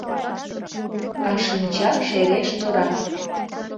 А шинча шереш торам.